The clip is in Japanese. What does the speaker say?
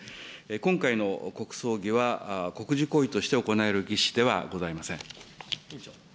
今回の国葬儀は、国事行為として行える儀式ではございません。